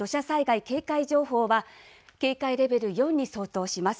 避難指示や土砂災害警戒情報は警戒レベル４に相当します。